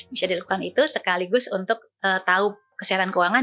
bisa dilakukan itu sekaligus untuk tahu kesehatan keuangan